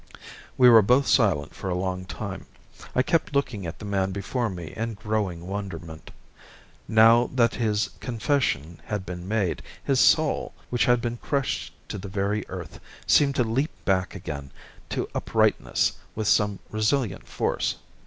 We were both silent for a long time. I kept looking at the man before me in growing wonderment. Now that his confession had been made, his soul, which had been crushed to the very earth, seemed to leap back again to uprightness with some resilient force.